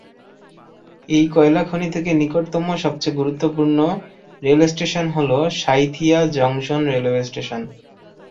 এই কয়লা খনি থেকে নিকটতম সবচেয়ে গুরুত্বপূর্ণ রেল স্টেশন হল সাঁইথিয়া জংশন রেলওয়ে স্টেশন।